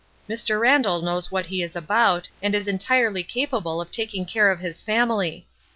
Mr. Randall knows what he is about, and is entirely capable of taking care of his family.